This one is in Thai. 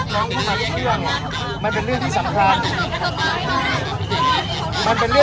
แต่มันเป็นการแสดงที่เราแตกต่างจากประเทศอื่นอีก